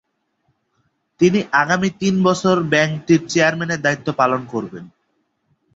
তিনি আগামী তিন বছর ব্যাংকটির চেয়ারম্যানের দায়িত্ব পালন করবেন।